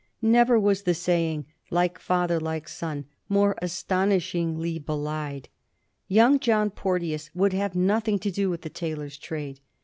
Never ^as the saying " Like father, like son " more astonishingly be lied. Young John Porteous would have nothing to do with the tailor's trade.